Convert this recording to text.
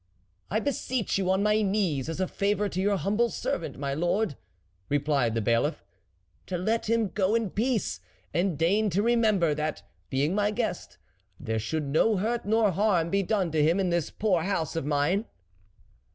" I beseech you on my knees, as a favour to your humble servant, my lord," replied the Bailiff, " to let him go in peace ; and deign to remember, that, being my guest, there should no hurt nor harm be done to him in this poor house of mine."